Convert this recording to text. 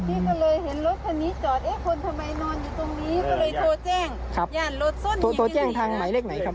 คนทำไมนอนอยู่ตรงนี้ก็เลยโทรแจ้งครับอย่างรถส้นโทรแจ้งทางหมายเลขไหนครับ